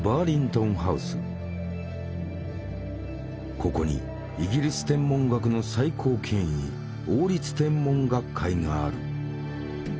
ここにイギリス天文学の最高権威王立天文学会がある。